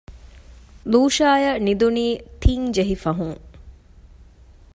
ލޫޝާއަށް ނިދުނީ ތިން ޖެހިފަހުން